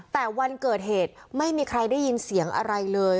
แต่วันเกิดเหตุไม่มีใครได้ยินเสียงอะไรเลย